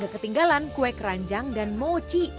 ketinggalan kue keranjang dan mochi